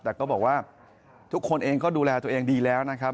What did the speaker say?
แต่ก็บอกว่าทุกคนเองก็ดูแลตัวเองดีแล้วนะครับ